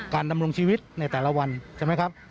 ดำรงชีวิตในแต่ละวันใช่ไหมครับ